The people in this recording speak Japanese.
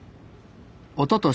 おととし